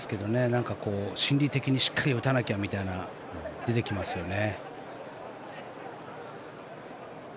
なんか心理的にしっかり打たなきゃみたいなの出てきますよね。